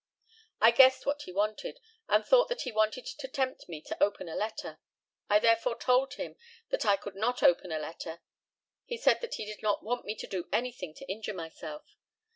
I guessed what he wanted, and thought that he wanted to tempt me to open a letter. I therefore told him that I could not open a letter. He said that he did not want me to do anything to injure myself.